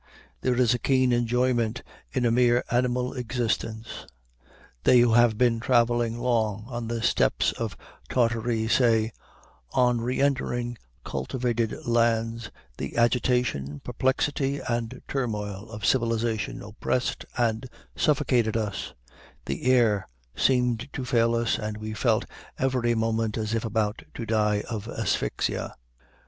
There is a keen enjoyment in a mere animal existence." They who have been traveling long on the steppes of Tartary say, "On reëntering cultivated lands, the agitation, perplexity, and turmoil of civilization oppressed and suffocated us; the air seemed to fail us, and we felt every moment as if about to die of asphyxia."